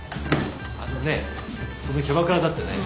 あのねそのキャバクラだってね